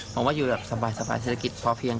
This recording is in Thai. ผมว่าอยู่แบบสบายเศรษฐกิจพอเพียง